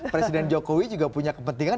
presiden jokowi juga punya kepentingan